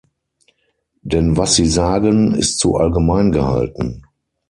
Denn was Sie sagen, ist zu allgemein gehalten.